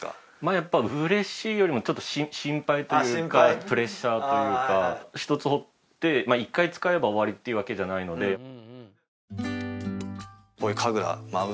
やっぱ嬉しいよりもちょっと心配というかプレッシャーというか１つ彫って１回使えば終わりっていうわけじゃないのでこういう神楽舞う